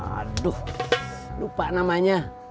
aduh lupa namanya